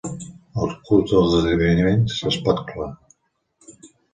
El curs dels esdeveniments és poc clar.